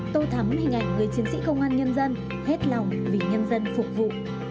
tô thắm hình ảnh người chiến sĩ công an nhân dân hết lòng vì nhân dân phục vụ